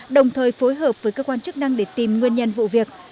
đồng thời phối hợp với cơ quan chức năng để tìm nguyên nhân vụ việc